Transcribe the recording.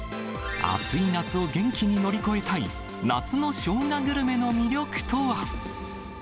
暑い夏を元気に乗り越えたい、夏のショウガグルメの魅力とは。